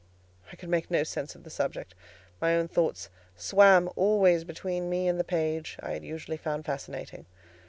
I could make no sense of the subject; my own thoughts swam always between me and the page I had usually found fascinating.